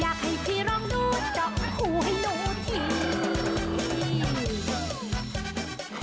อยากให้พี่ลองดูเจาะให้หูให้ดูที